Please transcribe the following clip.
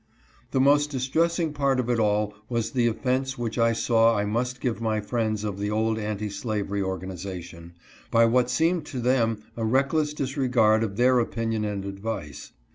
The most distressing part of it all was the offense which I saw I must give my friends of the old anti slavery organization, by what seemed to them a reckless disregard of their opinion and advice.